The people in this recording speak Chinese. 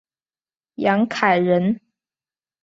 杨凯人。